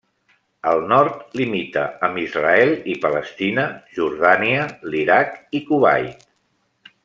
Al nord, limita amb Israel i Palestina, Jordània, l'Iraq i Kuwait.